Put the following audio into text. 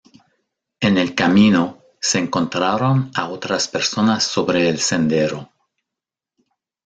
En el camino, se encontraron a otras personas sobre el sendero.